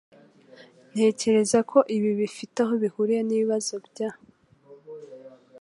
Ntekereza ko ibi bifite aho bihuriye nibibazo bya